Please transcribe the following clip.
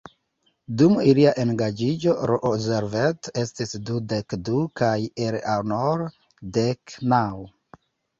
Dum ilia engaĝiĝo, Roosevelt estis dudek du kaj Eleanor dek naŭ.